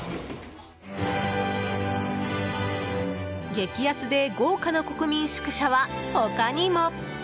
激安で豪華な国民宿舎は他にも。